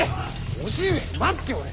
叔父上は待っておれ。